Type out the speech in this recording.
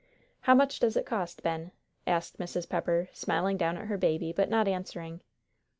"How much does it cost, Ben?" asked Mrs. Pepper, smiling down at her baby, but not answering.